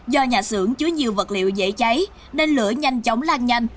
do nhà xưởng chứa nhiều vật liệu dễ cháy nên lửa nhanh chóng lan nhanh